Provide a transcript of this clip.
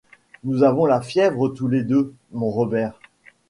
Nous avons la fièvre tous les deux, mon Robert!...